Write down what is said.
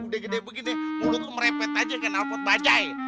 tek gedeh begini mulut lu merepet aja ke konten bajaj